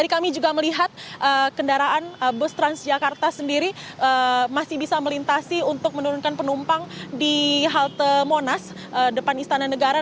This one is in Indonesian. kami juga melihat kendaraan bus transjakarta sendiri masih bisa melintasi untuk menurunkan penumpang di halte monas depan istana negara